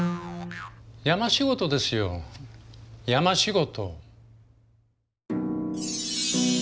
山仕事ですよ山仕事。